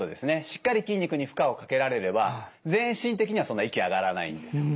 しっかり筋肉に負荷をかけられれば全身的にはそんな息上がらないんですよ。